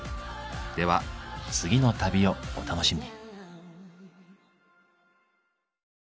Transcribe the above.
では次の旅をお楽しみに。